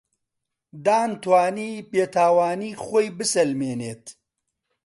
دان توانی بێتاوانی خۆی بسەلمێنێت.